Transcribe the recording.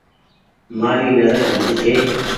مآري نزر گھٽ ڇي۔